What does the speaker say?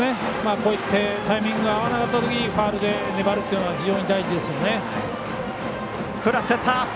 タイミング合わなかったときファウルで粘るというのが非常に大事ですよね。